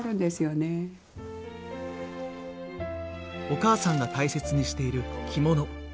お母さんが大切にしている着物。